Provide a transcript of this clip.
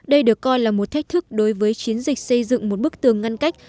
đây được coi là một thách thức đối với chiến dịch xây dựng một bức tường ngăn cách